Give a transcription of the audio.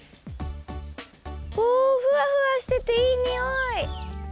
おふわふわしてていいにおい！